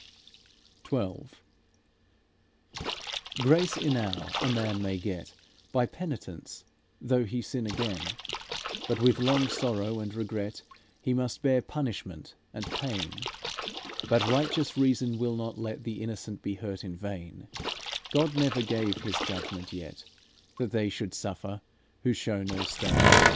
XII "Grace enow a man may get By penitence, though he sin again; But with long sorrow and regret, He must bear punishment and pain; But righteous reason will not let The innocent be hurt in vain; God never gave His judgment yet, That they should suffer who show no stain.